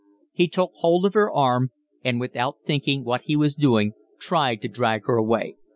He took hold of her arm and without thinking what he was doing tried to drag her away.